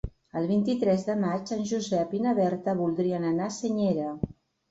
El vint-i-tres de maig en Josep i na Berta voldrien anar a Senyera.